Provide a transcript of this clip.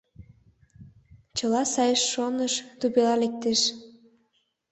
Чыла сай шоныш тупела лектеш.